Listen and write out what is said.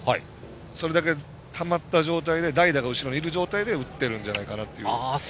それだけ、たまった状態で代打が後ろにいる状態で打ってるんじゃないかなっていう。